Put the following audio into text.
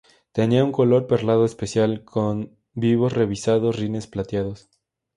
Tenían un color perlado especial, con vivos revisados rines plateados.